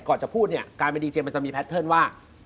ก่อนจะพูดเนี่ยการมีดีเจียมมันจะมีแพลตเทอร์นว่า